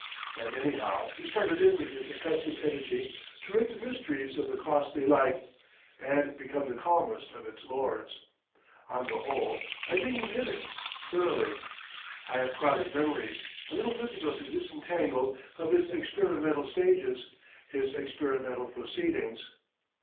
And anyhow he started in with his accustomed energy to rape the mysteries of the Costly Life, and become the calmest of its lords. On the whole, I think he did it—thoroughly. I have crowded memories, a little difficult to disentangle, of his experimental stages, his experimental proceedings.